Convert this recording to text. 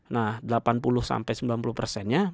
nah delapan puluh sembilan puluh nya